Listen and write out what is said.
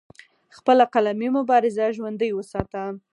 خپله قلمي مبارزه ژوندۍ اوساتله